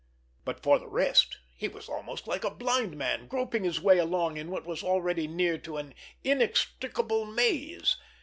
But for the rest, he was almost like a blind man groping his way along in what was already near to an inextricable maze.